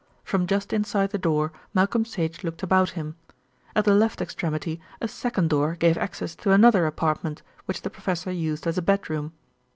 From just inside the door Malcolm Sage looked about him. At the left extremity a second door gave access to another apartment, which the professor used as a bedroom.